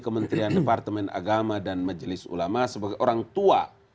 kementerian departemen agama dan majelis ulama sebagai orang tua